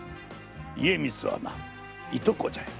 家光はないとこじゃよ。